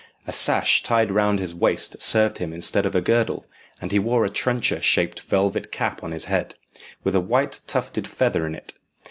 A sash tied round his waist served him instead of a girdle, and he wore a trencher shaped velvet cap on his head, with a white tufted feather in it.